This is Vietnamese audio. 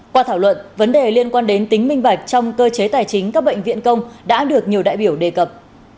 qua thảo luận vấn đề liên quan đến tính minh bạch trong cơ chế tài chính các bệnh viện công đã được nhiều đại biểu đề cập